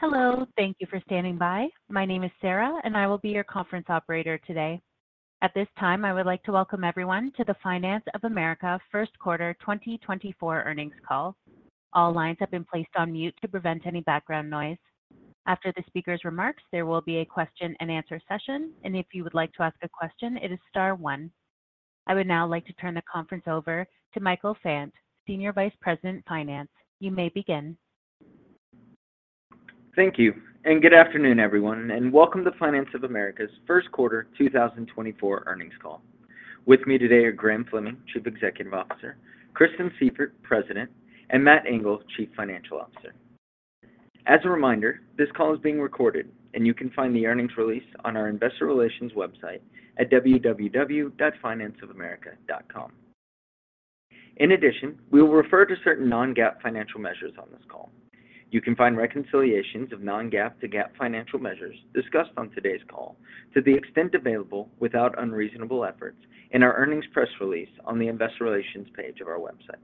Hello, thank you for standing by. My name is Sarah, and I will be your conference operator today. At this time, I would like to welcome everyone to the Finance of America Q1 2024 Earnings Call. All lines have been placed on mute to prevent any background noise. After the speaker's remarks, there will be a question and answer session, and if you would like to ask a question, it is star one. I would now like to turn the conference over to Michael Fant, Senior Vice President, Finance. You may begin. Thank you, and good afternoon, everyone, and welcome to Finance of America's Q1 2024 earnings call. With me today are Graham Fleming, Chief Executive Officer, Kristen Sieffert, President, and Matt Engel, Chief Financial Officer. As a reminder, this call is being recorded, and you can find the earnings release on our investor relations website at www.financeofamerica.com. In addition, we will refer to certain non-GAAP financial measures on this call. You can find reconciliations of non-GAAP to GAAP financial measures discussed on today's call to the extent available without unreasonable efforts in our earnings press release on the investor relations page of our website.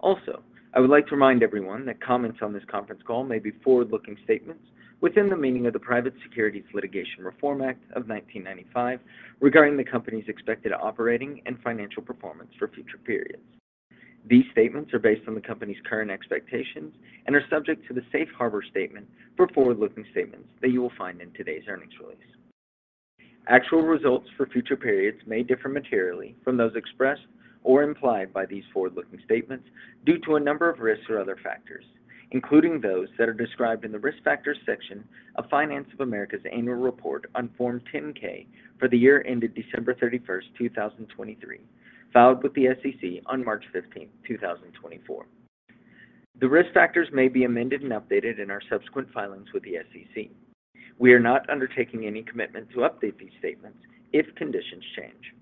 Also, I would like to remind everyone that comments on this conference call may be forward-looking statements within the meaning of the Private Securities Litigation Reform Act of 1995, regarding the company's expected operating and financial performance for future periods. These statements are based on the company's current expectations and are subject to the safe harbor statement for forward-looking statements that you will find in today's earnings release. Actual results for future periods may differ materially from those expressed or implied by these forward-looking statements due to a number of risks or other factors, including those that are described in the Risk Factors section of Finance of America's Annual Report on Form 10-K for the year ended December 31, 2023, filed with the SEC on March 15, 2024. The risk factors may be amended and updated in our subsequent filings with the SEC. We are not undertaking any commitment to update these statements if conditions change.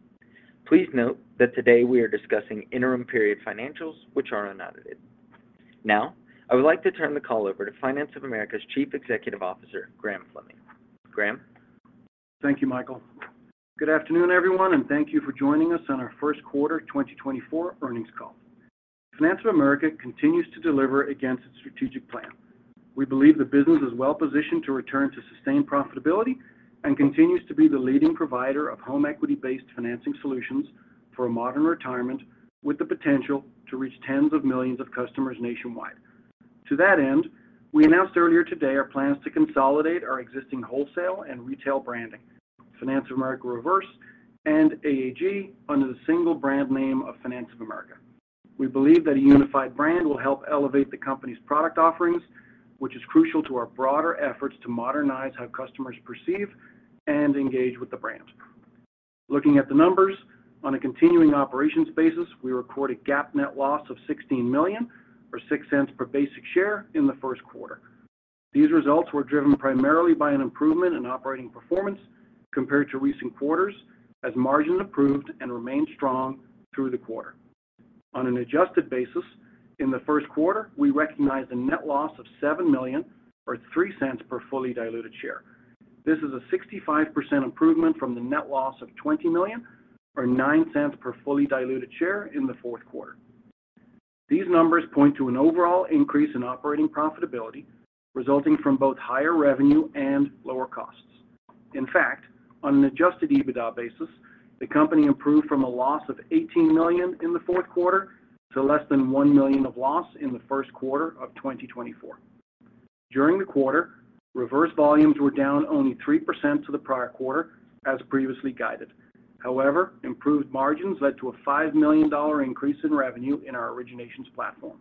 Please note that today we are discussing interim period financials, which are unaudited. Now, I would like to turn the call over to Finance of America's Chief Executive Officer, Graham Fleming. Graham? Thank you, Michael. Good afternoon, everyone, and thank you for joining us on our Q1 2024 earnings call. Finance of America continues to deliver against its strategic plan. We believe the business is well positioned to return to sustained profitability and continues to be the leading provider of home equity-based financing solutions for a modern retirement, with the potential to reach tens of millions of customers nationwide. To that end, we announced earlier today our plans to consolidate our existing wholesale and retail branding, Finance of America Reverse and AAG, under the single brand name of Finance of America. We believe that a unified brand will help elevate the company's product offerings, which is crucial to our broader efforts to modernize how customers perceive and engage with the brand. Looking at the numbers, on a continuing operations basis, we record a GAAP net loss of $16 million, or $0.06 per basic share in the Q1. These results were driven primarily by an improvement in operating performance compared to recent quarters, as margins improved and remained strong through the quarter. On an adjusted basis, in the Q1, we recognized a net loss of $7 million, or $0.03 per fully diluted share. This is a 65% improvement from the net loss of $20 million, or $0.09 per fully diluted share in the Q4. These numbers point to an overall increase in operating profitability, resulting from both higher revenue and lower costs. In fact, on an Adjusted EBITDA basis, the company improved from a loss of $18 million in the Q4 to less than $1 million of loss in the Q1 of 2024. During the quarter, reverse volumes were down only 3% to the prior quarter, as previously guided. However, improved margins led to a $5 million increase in revenue in our originations platform.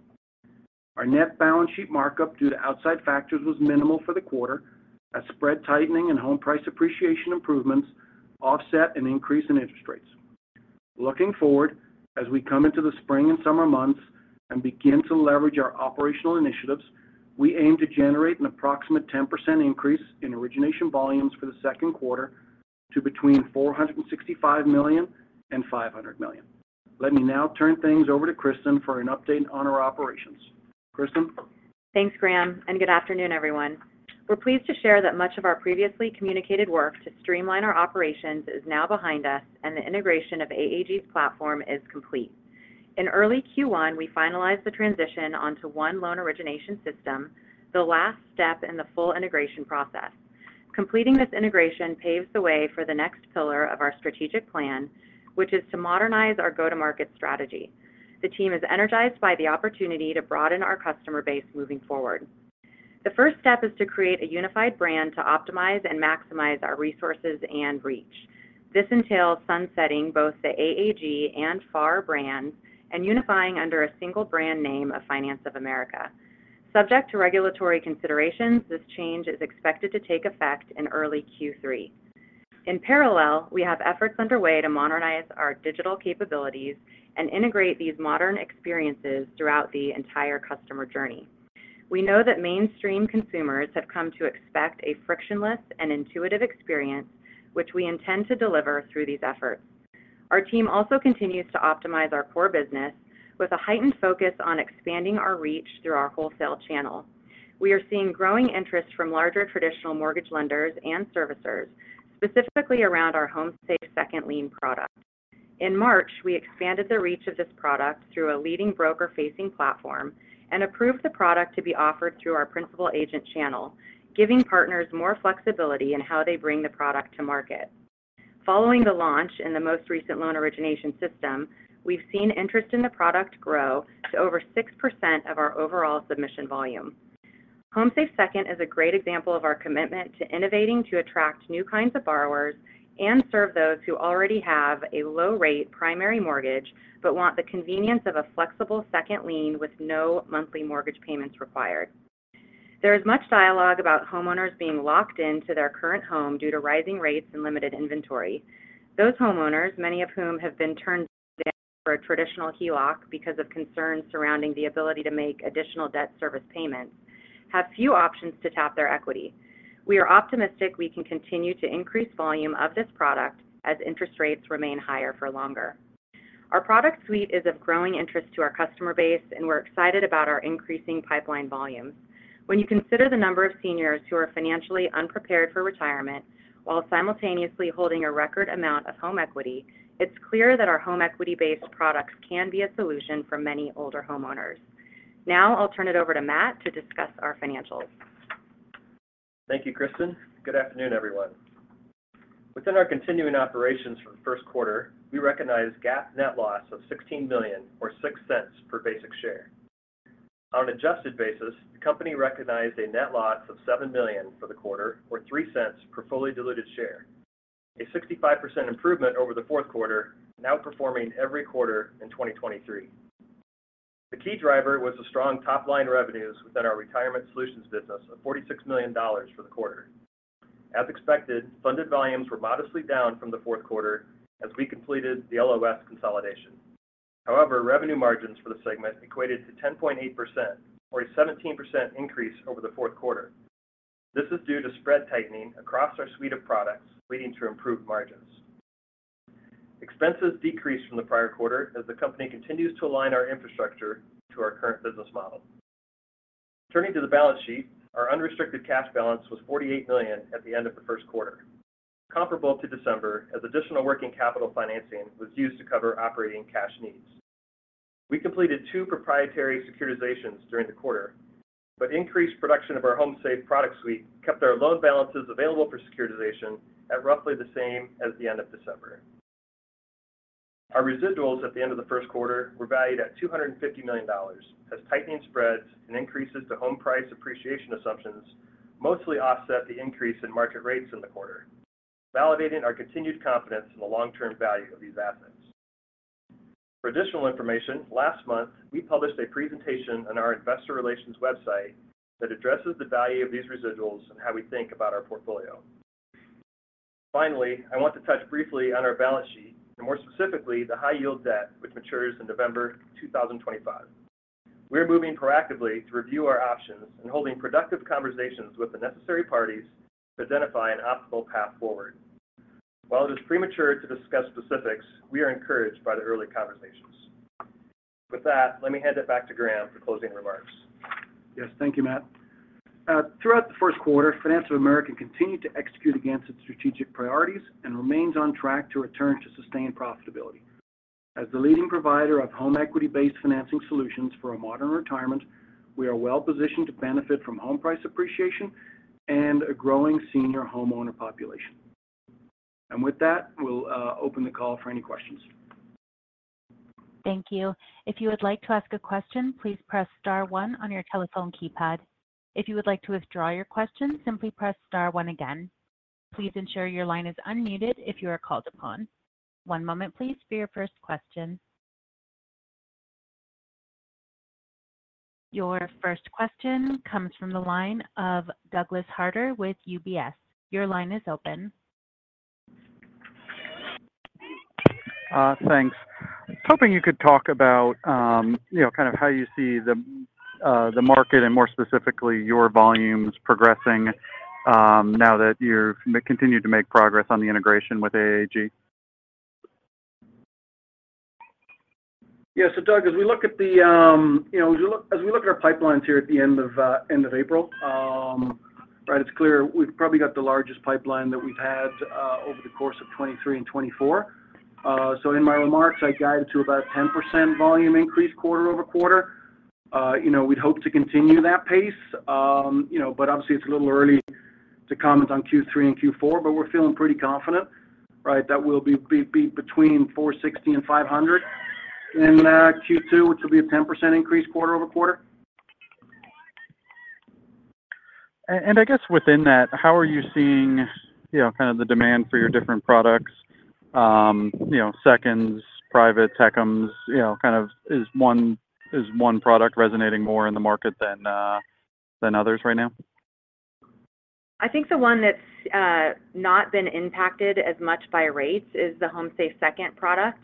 Our net balance sheet markup due to outside factors was minimal for the quarter, as spread tightening and home price appreciation improvements offset an increase in interest rates. Looking forward, as we come into the spring and summer months and begin to leverage our operational initiatives, we aim to generate an approximate 10% increase in origination volumes for the Q2 to between $465 million and $500 million. Let me now turn things over to Kristen for an update on our operations. Kristen? Thanks, Graham, and good afternoon, everyone. We're pleased to share that much of our previously communicated work to streamline our operations is now behind us, and the integration of AAG's platform is complete. In early Q1, we finalized the transition onto one loan origination system, the last step in the full integration process. Completing this integration paves the way for the next pillar of our strategic plan, which is to modernize our go-to-market strategy. The team is energized by the opportunity to broaden our customer base moving forward. The first step is to create a unified brand to optimize and maximize our resources and reach. This entails sunsetting both the AAG and FAR brands and unifying under a single brand name of Finance of America. Subject to regulatory considerations, this change is expected to take effect in early Q3. In parallel, we have efforts underway to modernize our digital capabilities and integrate these modern experiences throughout the entire customer journey. We know that mainstream consumers have come to expect a frictionless and intuitive experience, which we intend to deliver through these efforts. Our team also continues to optimize our core business with a heightened focus on expanding our reach through our wholesale channel. We are seeing growing interest from larger traditional mortgage lenders and servicers, specifically around our HomeSafe second lien product. In March, we expanded the reach of this product through a leading broker-facing platform and approved the product to be offered through our Principal Agent channel, giving partners more flexibility in how they bring the product to market. Following the launch in the most recent loan origination system, we've seen interest in the product grow to over 6% of our overall submission volume. HomeSafe Second is a great example of our commitment to innovating to attract new kinds of borrowers and serve those who already have a low rate primary mortgage, but want the convenience of a flexible second lien with no monthly mortgage payments required. There is much dialogue about homeowners being locked into their current home due to rising rates and limited inventory. Those homeowners, many of whom have been turned down for a traditional HELOC because of concerns surrounding the ability to make additional debt service payments, have few options to tap their equity. We are optimistic we can continue to increase volume of this product as interest rates remain higher for longer. Our product suite is of growing interest to our customer base, and we're excited about our increasing pipeline volumes. When you consider the number of seniors who are financially unprepared for retirement while simultaneously holding a record amount of home equity, it's clear that our home equity-based products can be a solution for many older homeowners. Now, I'll turn it over to Matt to discuss our financials. Thank you, Kristen. Good afternoon, everyone. Within our continuing operations for the Q1, we recognized GAAP net loss of $16 million or $0.06 per basic share. On an adjusted basis, the company recognized a net loss of $7 million for the quarter, or $0.03 per fully diluted share, a 65% improvement over the Q4, now performing every quarter in 2023. The key driver was the strong top-line revenues within our retirement solutions business of $46 million for the quarter. As expected, funded volumes were modestly down from the Q4 as we completed the LOS consolidation. However, revenue margins for the segment equated to 10.8% or a 17% increase over the Q4. This is due to spread tightening across our suite of products, leading to improved margins. Expenses decreased from the prior quarter as the company continues to align our infrastructure to our current business model. Turning to the balance sheet, our unrestricted cash balance was $48 million at the end of the Q1, comparable to December, as additional working capital financing was used to cover operating cash needs. We completed two proprietary securitizations during the quarter, but increased production of our HomeSafe product suite kept our loan balances available for securitization at roughly the same as the end of December. Our residuals at the end of the Q1 were valued at $250 million, as tightening spreads and increases to home price appreciation assumptions mostly offset the increase in market rates in the quarter, validating our continued confidence in the long-term value of these assets. For additional information, last month, we published a presentation on our investor relations website that addresses the value of these residuals and how we think about our portfolio. Finally, I want to touch briefly on our balance sheet and more specifically, the high yield debt, which matures in November 2025. We are moving proactively to review our options and holding productive conversations with the necessary parties to identify an optimal path forward. While it is premature to discuss specifics, we are encouraged by the early conversations. With that, let me hand it back to Graham for closing remarks. Yes, thank you, Matt. Throughout the Q1, Finance of America continued to execute against its strategic priorities and remains on track to return to sustained profitability. As the leading provider of home equity-based financing solutions for a modern retirement, we are well positioned to benefit from home price appreciation and a growing senior homeowner population. And with that, we'll open the call for any questions. Thank you. If you would like to ask a question, please press star one on your telephone keypad. If you would like to withdraw your question, simply press star one again. Please ensure your line is unmuted if you are called upon. One moment, please, for your first question. Your first question comes from the line of Douglas Harter with UBS. Your line is open. Thanks. Hoping you could talk about, you know, kind of how you see the market and more specifically, your volumes progressing, now that you're continue to make progress on the integration with AAG. Yeah. So Doug, as we look at the, you know, as we look at our pipelines here at the end of end of April, right, it's clear we've probably got the largest pipeline that we've had over the course of 2023 and 2024. So in my remarks, I guided to about 10% volume increase quarter-over-quarter. You know, we'd hope to continue that pace. You know, but obviously, it's a little early to comment on Q3 and Q4, but we're feeling pretty confident, right, that we'll be between $460 and $500 in Q2, which will be a 10% increase quarter-over-quarter. I guess within that, how are you seeing, you know, kind of the demand for your different products? You know, seconds, privates, HECMs, you know, kind of is one product resonating more in the market than others right now? I think the one that's not been impacted as much by rates is the HomeSafe Second product.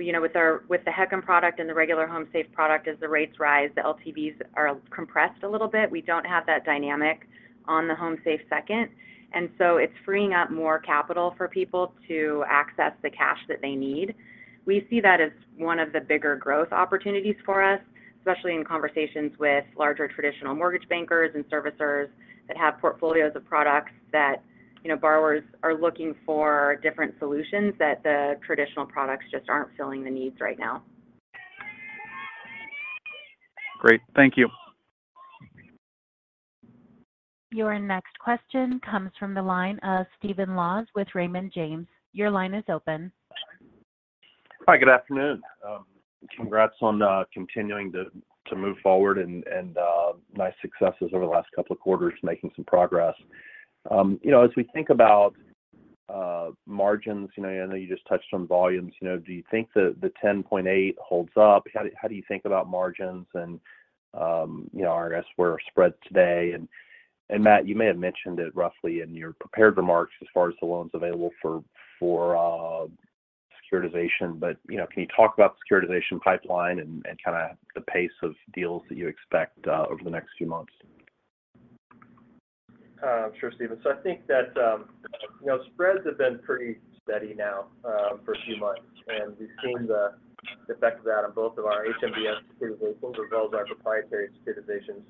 You know, with our HECM product and the regular HomeSafe product, as the rates rise, the LTVs are compressed a little bit. We don't have that dynamic on the HomeSafe Second, and so it's freeing up more capital for people to access the cash that they need. We see that as one of the bigger growth opportunities for us, especially in conversations with larger traditional mortgage bankers and servicers that have portfolios of products that, you know, borrowers are looking for different solutions, that the traditional products just aren't filling the needs right now. Great. Thank you. Your next question comes from the line of Stephen Laws with Raymond James. Your line is open. Hi, good afternoon. Congrats on continuing to move forward and nice successes over the last couple of quarters making some progress. You know, as we think about margins, you know, I know you just touched on volumes, you know, do you think that the 10.8 holds up? How do you think about margins and, you know, I guess, where are spreads today? And Matt, you may have mentioned it roughly in your prepared remarks as far as the loans available for securitization, but, you know, can you talk about securitization pipeline and kind of the pace of deals that you expect over the next few months? Sure, Steven. So I think that, you know, spreads have been pretty steady now, for a few months, and we've seen the effect of that on both of our HMBS securitizations as well as our proprietary securitizations.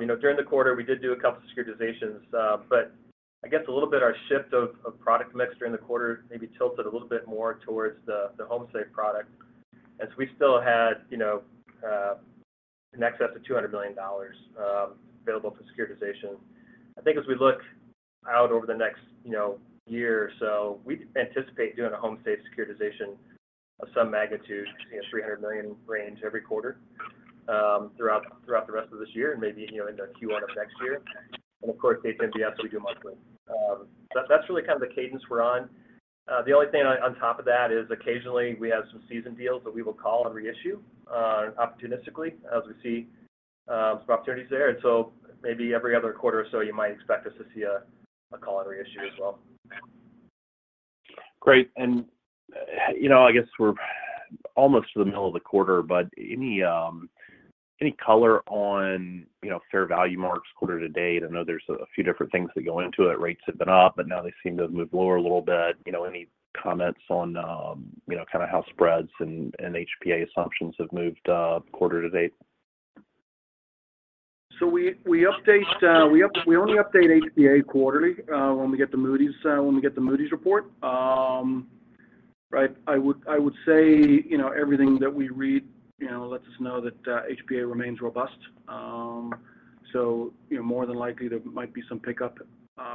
You know, during the quarter, we did do a couple securitizations, but I guess a little bit, our shift of product mixture in the quarter maybe tilted a little bit more towards the HomeSafe product. And so we still had, you know, in excess of $200 million available for securitization. I think as we look out over the next, you know, year or so, we anticipate doing a HomeSafe securitization of some magnitude, you know, $300 million range every quarter, throughout the rest of this year and maybe, you know, into Q1 of next year. Of course, at HMBS, we do monthly. That's really kind of the cadence we're on. The only thing on top of that is occasionally we have some seasoned deals that we will call every issue, opportunistically as we see some opportunities there. And so maybe every other quarter or so, you might expect us to see a call on reissue as well. Great. And, you know, I guess we're almost to the middle of the quarter, but any color on, you know, fair value marks quarter to date? I know there's a few different things that go into it. Rates have been up, but now they seem to move lower a little bit. You know, any comments on, you know, kind of how spreads and HPA assumptions have moved quarter to date? So we only update HPA quarterly, when we get the Moody's report. Right, I would say, you know, everything that we read, you know, lets us know that HPA remains robust. So, you know, more than likely, there might be some pickup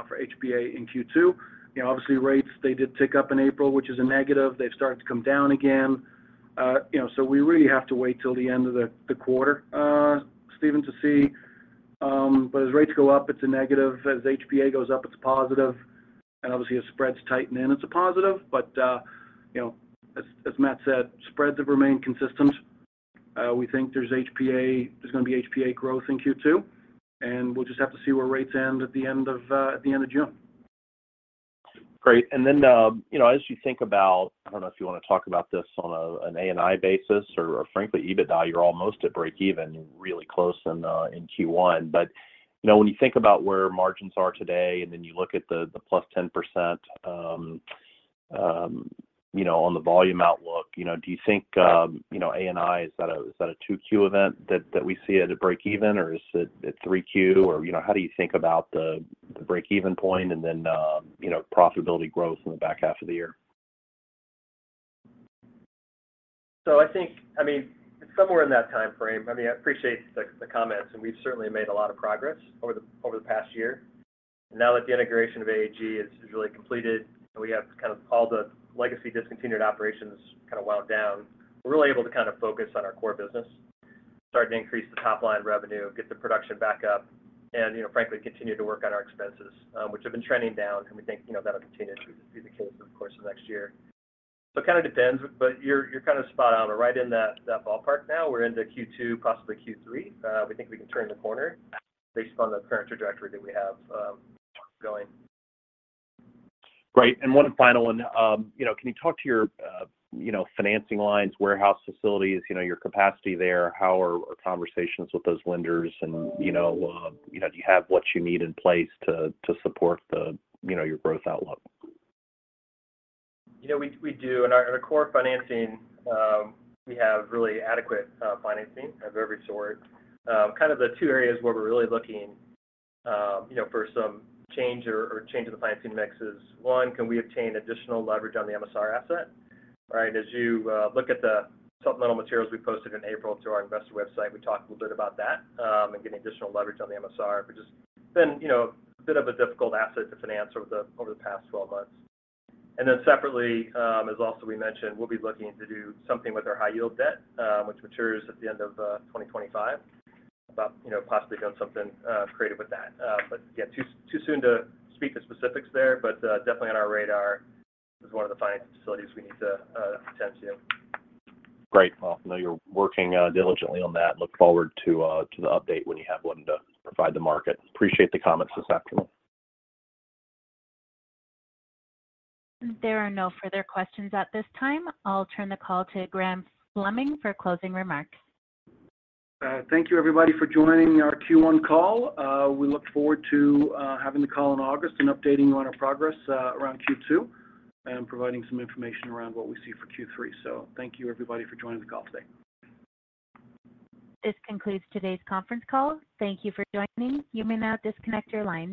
for HPA in Q2. You know, obviously, rates, they did tick up in April, which is a negative. They've started to come down again. So we really have to wait till the end of the quarter, Steven, to see. But as rates go up, it's a negative. As HPA goes up, it's positive. And obviously, as spreads tighten in, it's a positive. But, you know, as Matt said, spreads have remained consistent. We think there's HPA growth in Q2, and we'll just have to see where rates end at the end of June. Great. And then, you know, as you think about, I don't know if you wanna talk about this on a, an ANI basis or, or frankly, EBITDA, you're almost at breakeven, you're really close in, in Q1. But, you know, when you think about where margins are today, and then you look at the +10%, you know, on the volume outlook, you know, do you think, you know, ANI, is that a 2Q event that, that we see at a breakeven, or is it at 3Q? Or, you know, how do you think about the, the breakeven point and then, you know, profitability growth in the back half of the year? So I think, I mean, it's somewhere in that time frame. I mean, I appreciate the comments, and we've certainly made a lot of progress over the past year. Now that the integration of AAG is really completed, and we have kind of all the legacy discontinued operations kind of wound down, we're really able to kind of focus on our core business, start to increase the top-line revenue, get the production back up, and, you know, frankly, continue to work on our expenses, which have been trending down, and we think, you know, that'll continue to be the case for the course of next year. So it kind of depends, but you're kind of spot on. We're right in that ballpark now. We're into Q2, possibly Q3. We think we can turn the corner based on the current trajectory that we have going. Great. And one final one. You know, can you talk to your, you know, financing lines, warehouse facilities, you know, your capacity there, how are conversations with those lenders? And, you know, you know, do you have what you need in place to support the, you know, your growth outlook? You know, we do. In our core financing, we have really adequate financing of every sort. Kind of the two areas where we're really looking, you know, for some change or change in the financing mix is, one, can we obtain additional leverage on the MSR asset? Right, as you look at the supplemental materials we posted in April through our investor website, we talked a little bit about that, and getting additional leverage on the MSR, which has been, you know, a bit of a difficult asset to finance over the past 12 months. And then separately, as also we mentioned, we'll be looking to do something with our high-yield debt, which matures at the end of 2025, about, you know, possibly doing something creative with that. But yeah, too soon to speak to specifics there, but definitely on our radar as one of the financing facilities we need to attend to. Great. Well, I know you're working diligently on that. Look forward to the update when you have one to provide the market. Appreciate the comments this afternoon. There are no further questions at this time. I'll turn the call to Graham Fleming for closing remarks. Thank you, everybody, for joining our Q1 call. We look forward to having the call in August and updating you on our progress around Q2, and providing some information around what we see for Q3. So thank you, everybody, for joining the call today. This concludes today's conference call. Thank you for joining. You may now disconnect your lines.